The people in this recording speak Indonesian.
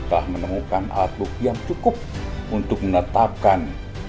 telah menemukan alat bukti yang cukup untuk menetapkan